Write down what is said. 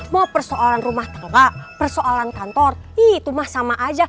mau persoalan rumah tangga persoalan kantor itu mah sama aja